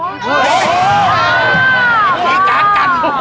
ข้ามีการกัน